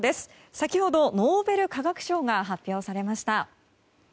先ほど、ノーベル化学賞が発表されました。